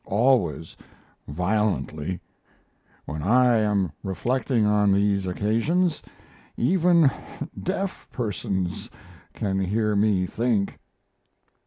Always violently. When I am reflecting on these occasions, even deaf persons can hear me think.